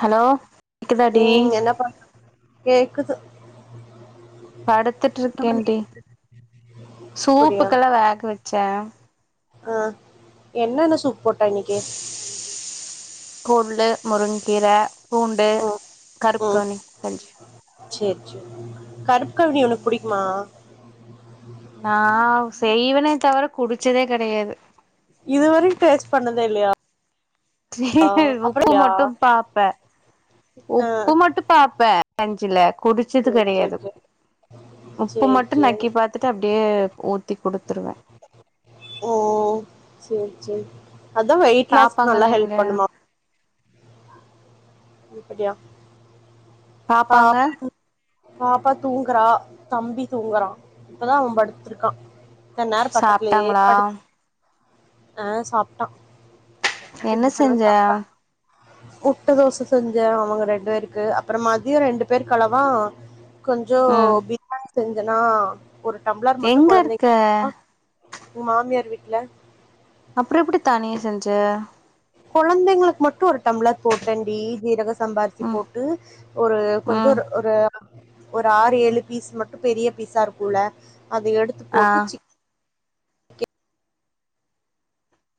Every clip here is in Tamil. ஹலோ கேக்குதா டி ம். என்ன பண்ற? கேக்குது. படுத்துட்டு இருக்கேன்டி சூப்புக்கெல்லா வேக வச்சேன் ஆஹ் என்னென்ன சூப் போட்ட இன்னிக்கி கொள்ளு முருங்கீர பூண்டு ம். கருப்கவுனி கஞ்சி சேரி சேரி கருப் க்கவ்னி உனக்கு புடிக்குமா நா செய்வே ன தவர குடிச்சதே கடயாது இதுவரிக் டேஸ்ட் பண்ணதே இல்லயா உப்பு மட்டும் பாப்பே ஆ. உப்பு மட்டும் பாப்பெ கஞ்சில குடிச்சது சரி, சரி, கடையாது சரி. உப்பு சரி, மட்டு சரி. நக்கி பாத்துட்டு அப்டியே ஊத்தி குடுத்துடுவேன் சேரி அதா வெயிட் லாஸ்க்கு நல்லா ஹெல்ப் எங்க பண்ணுமா இப்படியா பாப்பாங்க பாப்பா தூங்கறா தம்பி தூங்கறா இப்பதா அவ படுத்திருக்கா சாப்ட்டாங்களா ஆ சாப்ட்டா என்ன செஞ்ச முட்ட தோச செஞ்சே அவங்க ரெண்டு பேருக்கு அப்பறோ மதிய ரெண்டு பேருக்கு அளவா கொஞ்சோ ம் வி செஞ்சனா ஒரு டம்ளர் மட்டு எங்க இருக்க கொழந்தைங்க உ மாமியார் வீட்ல ஜ கொழந்தைங்களுக்கு மட்டு ஒரு டம்ளர் போட்டே டி ஜீரக சம்பாரிச்சி ம் போட்டு ஒரு ம் கொஞ்சோரு ஒரு ஒரு ஆறு ஏழு பீஸ் மட்டு பெரிய பீஸா இருக்குல அது எடுத்து ஆ போட்டு சிக்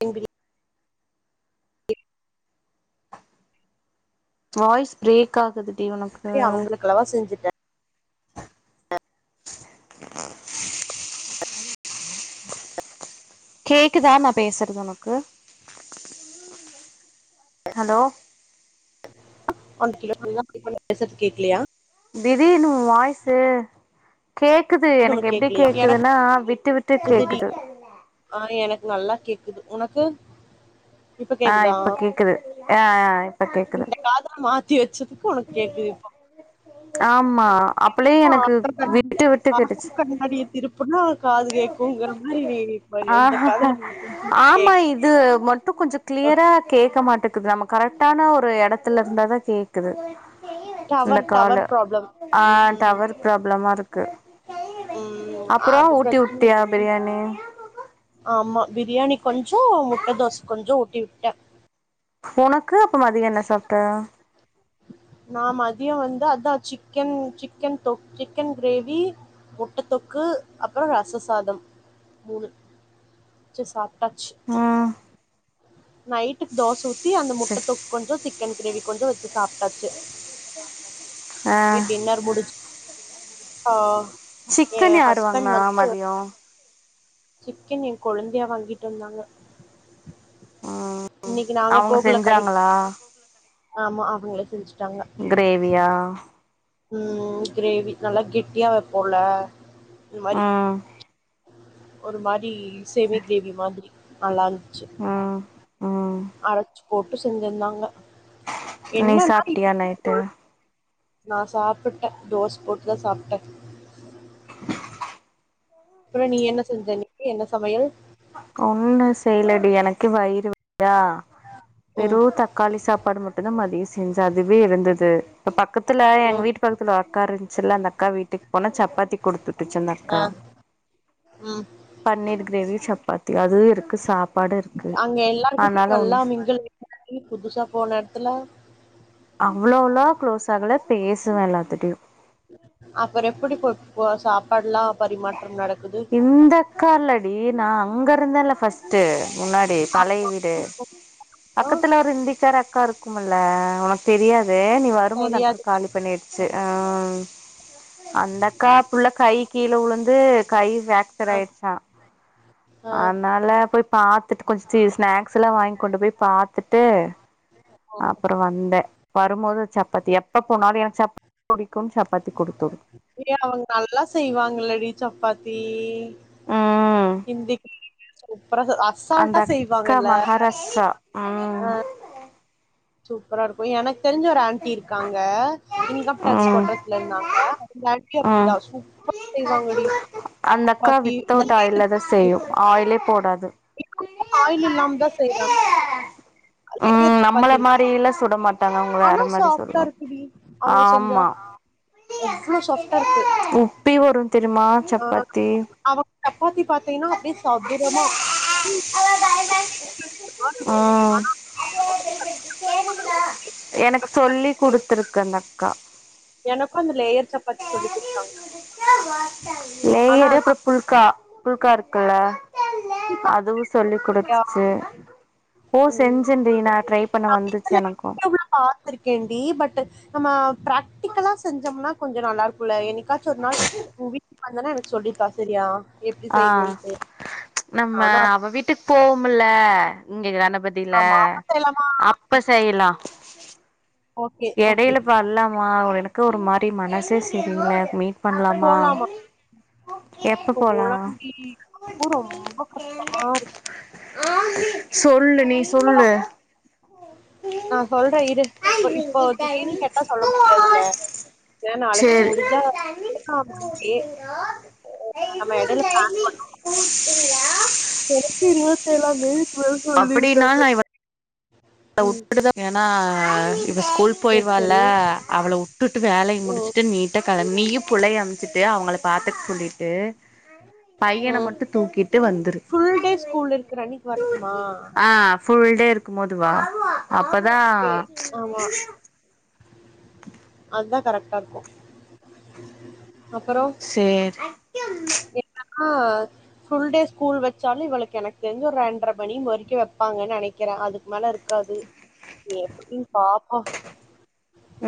கன் பிரி வாய்ஸ் பிரேக் ஆகுது ஏ அவுங்குளுக்கல்லவா செஞ்சிட்டே கேக்குதா நா பேசறது ஒனக்கு ஹலோ ஒன் [inaudible] பேசற்து கேக்கிலியா திடீர்னூ உ வாய்ஸ்சு கேக்குது எனக் உனக்கு எப்டி கேக்கலையா எனக்கு கேக்குதுனா விட்டு விட்டு கேக்குதுடி கேக்குது ஆ எனக்கு நல்லா கேக்குது உனக்கு இப்ப ஆ கேக்குதா இப்பே கேக்குது ஆ இப்பே கேக்குது உனக் கேக்குது இப்போ ஆம் மா அப்பலே எனக்கு விட்டு விட்டு கேட்டுச்சு வாசல் கண்ணாடிய திருப்புனா காது கேக்குங்கிற மாரி நீ இப்ப இந்த காதுல ஆமா கேக் இது மட்டு கொஞ்சோ க்ளியர்ரா கேக்கா மாட்டுது நம்ம கரெக்டான ஒரு எடத்துல இருந்தாதா கேக் கேக்குது இந்த டவர் டவர் கால ப்ராப்ளம் ஆ ம் டவர் ப்ராப்ளமா இருக்கு ம் அப்பறோ அது உட் பிரச்சனை குடுத்தியா இருக்கு. பிரியாணி ஆமா பிரியாணி கொஞ்சோ முட்ட தோச கொஞ்சோ விட்டா உனக்கு அப்ப மதிய என்ன சாப்ட நா மதியம் வந்து அதான் சிக்கன் சிக்கன் தொ சிக்கன் கிரேவி முட்டை தொக்கு அப்புறம் ரசசாதம் மூணு வச்சு சாப் டச்சு ம் நைட்டுக்கு தோச ஊத்தி அந்த முட்ட சரி தொக்கு கொஞ்சோ சிக்கன் கிரேவி கொஞ்சோ வச்சு சாப்டாச்சு ஆ ஏ டின்னர் முடிச்சு ஹா சிக்கன் யாரு வாங்கணா மதியோ சிக்கன் என் கொழுந்தியா வாங்கிட்டு வந்தாங்க ஆ ஹ இன்னைக்கு நாங்க அவங்க போகல கடைக்கு செஞ்சாங்களா ஆமா அவங்களே செஞ்சு கிரேவியா ம் கிரேவி நல்லா கெட்டியா வப்போல்ல ஆ ஒரு மாரி செமி கிரேவி மாதிரி நல்லா ஆ ஆ அரச்சு போட்டு செஞ்சிந்தாங்க நீ சாப்ட்டியா நைட்டு நா சாப்புட்டே தோச போட்டுதா சாப்ட்டே அப்புறோ நீ என்ன செஞ்ச இன்னக்கி என்ன சமையல் ஒன்னு செய்லடி எனக்கே வயி [inaudible] ம் வெறு தக்காளி சாப்பாடு மட்டுதா மதிய செஞ்சே அதுவே இருந்தது ப்ப பப் க்கத்தில எங்க ம் வீட்டு பக்கத்தில ஒரு அக்கா இருஞ் சில்ல அந்த அக்கா வீட்டுக் போனே சப்பாத்தி குடுத்து டுச்சு ஆ அந்தக்கா ம் பன்னீர் கிரேவியு சப் பாத்தி அது இருக்கு சாப் அங்க எல்லாருகிட்டயு நல்லா மிங்குல் [inaudible] புதுசா போன எட்த்துல அவ்ளோவள்லா கு்ளோஸ் ஆகல பேசுவே எல்லாத்துட்டயு அப்புற எப்பிடி போ போஸ் சாப்பாட்லா இந்தக்கால்ல டி நா அங்க இருந்தெல்ல ஃபஸ் ட்டு முன்னாடி பழைய ஆமா வீடு பக்கத்துல ஒரு இந்திக்கார அக்கா இருக்குமுல்ல உனக் தெரியாது நீ வரும்போது அக்கா தெரியாது காலி பண்ணிர்ச்சு அ அந்த அக்கா புள்ள கை கீழ உழு ந்து கை ஃபிராக்சர் ஆயிருச்சா ஆ அதனால போய் பாத்துட்டு கொஞ்ச தி ஸ்நாக்ஸ் எல்லா வாய்ங் கொண்டு போய் பாத்துட்டு அப்புற வந்தே வருமோ து சப்பாத்தி எப்ப போனாலு எனக் [inaudible] ஏ அவுங் நல்லா செய்வாங்கள்லடி சப்பா தீ ம் ஹிந்தி சூப்பரா அந்த அசால்ட்டா அக்கா செய்வாங்கல்ல மகாராஷ்டிரா ம் அ சூப்பராரு கு எனக் தெரிஞ்ச ஒரு ஏன்ட்டி இருக்காங்க இன்கம் டேக்ஸ் ம் கோட்ரஸ்ல இந்தாங்க வாழ்க்கையு ம் அப்பிடிதா சூப்ப அந்த அக்கா இந்த வித்தவுட் ஆயில்ல தா நேரத்துக்கு செய்யு ஆயிலே போடாது ஆயில் இல்லாம தா செய்றாங் உம் நம்மள மாரியில்லா சுட மாட்டாங்க அவங்க ஆனா வேற மாரி சாஃப்டா சுடுவாங்க இருக்குடி அவுங்க செஞ்சா ஆமா எவ்ளோ சாஃப்டா இருக்கு உப்பி வரு தெரியுமா ஆஹ் ஆஹ் சப்பாத்தி அவுங் சப்பாத்தி பாத்தீங்கன்னா அப்டியே சதுரம்மா உம் ஆனா அப்படியே டக்கு டக்குன்னு பண்ணவும் முடியாது. எனக்கு டக்கு சொல்லி குடுத்துருக்கு அந்த அக்கா எனக்கு அந்த லேயர் சப்பாத்தி சொல்லி குடுத்தாங் லேயரு அப்புற புல்கா புல்கா இருக் க்குள்ள இருக்கா அதுவு சொல்லி இல்லையா? குடுத்துச்சு ஓ ம். செஞ்சே டி நா ட்ரை பண்ண நான் வந்துச்சு இதுல எனக்கு யூடியூப்ல பார்த்திருக்கேன்டி பட் நம்ம பிராக்டிக்கலா செஞ்சோம்னா கொஞ்சோ நல்லா இருக்கும்ல்ல என்னிக்கா சொன்னால் பூவி வந்தானா எனக்கு சொல்லித்தா செரியா ஆஹ் நம்ம நானும் அவ வீட்டுக் போ ம்முள்ள இங்கதான பதில ஆமா. அப்பத்தெல்லாமா அப்ப செய்யிலா ஓகே, ஓகே. எடையில [unintelligible] எனக் க்கு ஒரு மாரி மனசே செரில மீட் பண்லாமா போலாமா எப்ப போலா போலாண்டி எனக்கு ரொம்ப கஷ்டமா இருக் சொ சொல்லு நீ சொல்லு நா சொல்றே இரு இப்ப இப்போ திடீர்னு கேட்டா சொல்ல முடியாதுள்ள ஏ நாளைக்கு சேரி முடிஞ்சா [unintelligible] ஓகே எடையில பிளான் பண்ணோ கொழப்பிரு இருபத்தேழாந்தேதி [unintelligible] சொல்லிருக் நானா இ்வ ளா உட்டுட்டு தா ஏனா இவ ஸ்கூல் சரி, போய்ருவா இல்ல சரி. அவ்வள உட் உட்டுட்டு வேலய ம், முடிச்சட்டு நீட்டா கெளம் நீயு புள்ளைய அம் வெச்சிட்டு அவங்கள பாத்துக்க சொல்லிட்டு பையன ம். மட்டு தூக்கிட்டு வந்துரு ஃபுல் டே ஸ்கூல் இருக்கிற அன்னைக்கு வரட்டுமா? ஆ ஃபுல்டே இருக் த்து வா அப்பதா அதா கரெக்டா இருக்கு சேரி ஆ ஃபுல்டே ஸ்கூல் வெச்சாலு இவளுக்கு எனக்கு தெரிஞ்சு ஒரு ரெண்டர மணி வரைக்கு வெப்பாங்கன் நெனைக்கிறே அதுக்கு மேல இருக்காது எப்டின் பாப்போ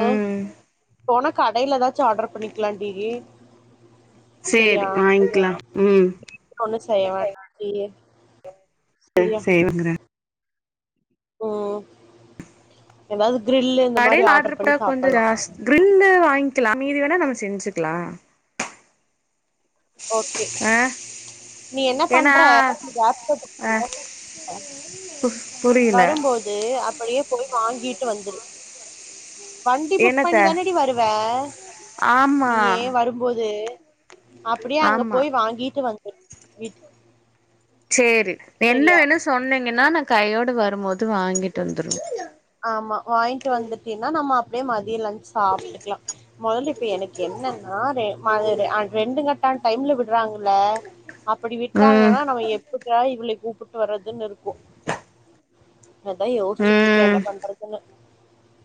ம் போன கடைல எதாச்சு ஆடர் பண்ணிக்கலான்டி சேரி வாங்க்லா ம் ஒண்ணு செய்ய வேண்டாண்டி சரியா செய்வாங்கற ம் எதாது கடைல ஆடர் கொஞ்சோ ஜாஸ் கிரில்லு வாங் க்கலா மீதி வேனா நம்ம செஞ்சுக்லா ஓகே ஆ நீ என்ன ஏன்னா பண்ற ஆ பு [inaudible] புரியல வரும்போது அப்படியே போய் வாங்கிட்டு வந்துரு வண்டி புக் என்னத்த பண்ணி தானடி வருவே ஆமா நீயே வரும்போது அப்படியே அங்க ஆமா போய் வாங்கிட்டு வந் வீட் சேரி என்ன வேணும் சொன்னீங்கன்னா ந கையோடு வரும்போது வாங்கிட்டு வந்துரு ஆம்மா வாங்கிட்டு வந்துட்டீன்னா நம்ம அப்டியே மதியம்லஞ்சு சாப்ட்டுக்கலா மொதல்ல இப்ப எனக்கு என்னன்னா ரெ ம ரெண்டு கட்டான் டைம்ல விடுறாங்கல அப்படி ம் விட்டாங்கன்னா நம்ம எப்ப க இவள கூப்ட்டு வறதுன் இருக்கும் அதா யோசிச்சுட்டு இருக்கேன்ட ம் பண்றதுன்னு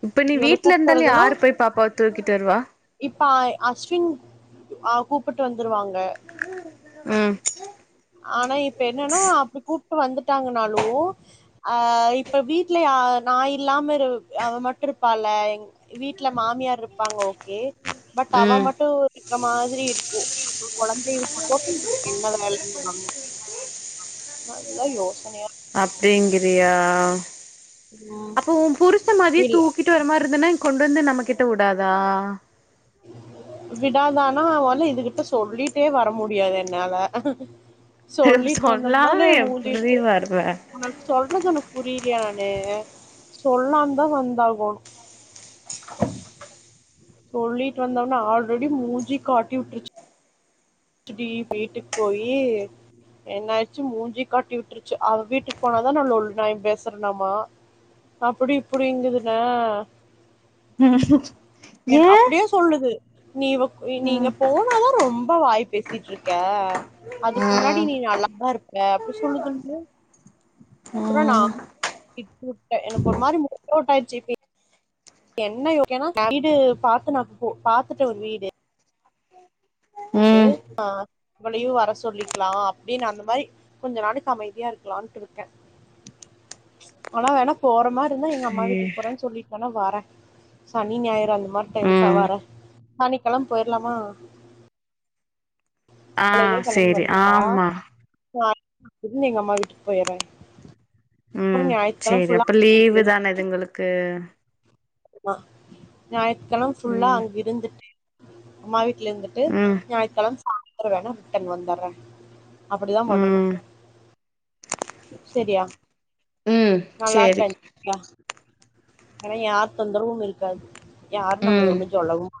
இப்ப நீ வீட்டல கூப்ட்டு இருந்தாலும் வர்றதுன்னா யாரு போய் பாப்பாவ தூக்கிட்டு வருவா பாய் அஷ்வின் அ கூப்புட்டு வந் ம் ஆனா இப்ப என்னன்னா அப்டி கூப்ட்டு வந்துட்டாங்கன்னாலும் ஆ இப்ப வீட்ல யா நா இல்லாம இரு அவ மட்டும் இருப்பால எங் வீட்ல மாமியார் இருப்பாங்க ஓகே பட் அவ ம் மட்டு க மாதிரி இருக்கும் அப்புறோ கொழந்தைய விட்டு போ உங்களுக்கு அம் நல்ல யோஸ் அப்படிங்கிறியா ம் அப்போ உன் புருஷன் மாதிரியே இல்ல தூக்கிட்டு வர மாதிரியே இருந்தன்னா கொண்டு வந்து நம்ம கிட்ட வுடாதா விடாதானா ல்ல இதுகிட்ட சொல்லிட்டு ட்டே வர முடியாது என்னால சொல்லிட்டு வந்தோம்னாலே சொல்லாம எப்டி மூதிட்டு வருவ உனக்கு சொல்றது எனக்கு புரி நானே சொல்லாம தான் வந்தாகுனோம் சொல்லிட்டு வந்தம்னா ஆல்ரெடி மூஞ்சி காட்டி விட்டுருச்சு ச்சுடி வீட்டுக்கு போயி என்னாச்சு மூஞ்சி காட்டி விட்டுருச்சு அவ வீட்டுக்கு போனாதான் நான் லொல்லு நாயம் பேசுறேனாமா அப்படி இப்படிங்குதுனா ம் [unintelligible] என் அப்படியே சொல்லுது நீ நீங்க ம் போனா தான் ரொம்ப ரொம்ப வாய் பேசிட்டு இருக்கே அதுக்கு முன்னாடி நீ நல்லாதான் இருப்ப அ அப்படி சொல்லுதுங்கல அப்புறம் ம் நான் எனக்கு ஒரு மாதிரி மூடு அவுட் ஆயிடிடுச்சு என்ன ஒகே னா வீடு பாத்து நா போ பாத்துட்டே ஒரு வீடு ந்து ம் ஆஹ் அவ்வளையும் வர சொல்லிக்கலாம் அப்படின்னு அந்த மாரி கொஞ்ச நாளைக் அமைதியா இருக்கலாம்ட்டு இருக்கேன் ஆனா வேணா போற மாரி இருந்தா எங்க சே அம்மா வீட்டுக்கு போறேன்னு சொல்லிபோனா வரேன் சனி ஞாயிறும் அந்த மாரி டைம்ஸா ம் சனிக்கிழமை போயிரலாமா காலையிலயே ஆஹ் சரி ஆமா ந்து எங்க அம்மா வீட்டுக்கு போய்றேன் உம் சரி அப்ப லீவு தானே இதுங்களுக்கு ஆமா ஞா இங்கலாம் ஃபுல்லா ம் அங்க இருந்துட்டு மைட் கீலந்துட்டு ம் ஞாய்க்கழம் அ [unintelligible] வேணா முட்டன் வந்ர்அ அப்படிதா பண்ணணும் ம் சரியா ம் நல்லா சேரி இருக்க [unintelligible] ஆனா யார் தொந்தரவும் இருக்காது யாரும் நம்மளய ம் ஒண்ணும் சொல்லவும் [inaudible]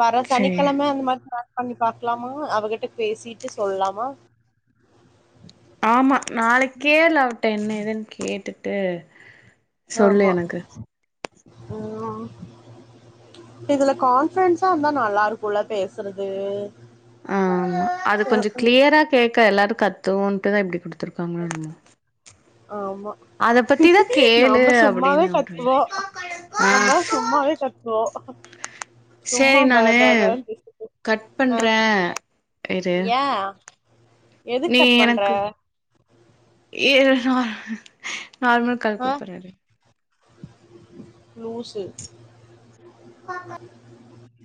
வர சேரி சனிக்கிழம அந் மாரி தா பண்ணி பாக்லாமா அவகிட்ட பேசிட்டு சொல்லாமா ஆமா நாளைக்கே லவ்டேன்நே என் கேட்டுட்டு சொல்லு எனக்கு உஉம்-இதுல கான்பிரன்ஸா இருந்தா நல்லா இருக்கும்ல பேசுறது ஆ அது அஹ் கொஞ்ச அஹ் கிளியரா கே கேக்குற எல்லா கத்துன்டுதா இப்டி புடுச்சு குர்த்திருக்காங்க என்னமோ ஆமா அத பத்திதா கேளு நாம சும்மாவே அப்டின்னு அவட்ட கத்துவோம் ஆ நம்ம சும்மாவே கத்துவோம் சும்மா சேரி பா நானு ப வ ன்து கட் ஆங் பண்றே இரு ஏன் எதுக்கட் பண்ற ஏ அ ஆங் நார்மல் கால் கூப்பட்ற இரு லூசு [inaudible]